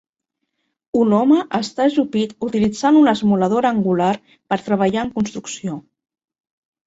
Un home està ajupit utilitzant una esmoladora angular per treballar en construcció.